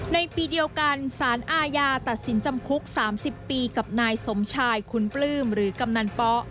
ในปีเดียวกันสารอาญาตัดสินจำคุก๓๐ปีกับนายสมชายคุณปลื้มหรือกำนันป๊อ